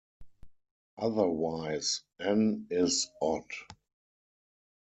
Otherwise "n" is odd.